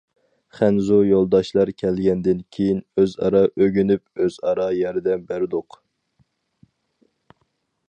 خەنزۇ يولداشلار كەلگەندىن كېيىن ئۆزئارا ئۆگىنىپ ئۆزئارا ياردەم بەردۇق.